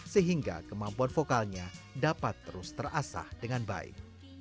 sehingga kemampuan vokalnya dapat terus terasah dengan baik